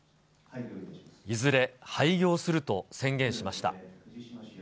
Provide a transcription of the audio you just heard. いずれ廃業すると宣言しました。